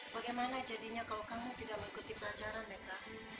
bagaimana jadinya kalau kamu tidak mengikuti pelajaran mereka